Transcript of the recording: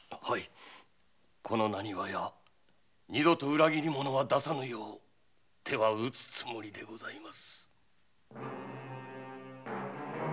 この浪花屋二度と裏切り者は出さぬよう手は打つつもりでございます。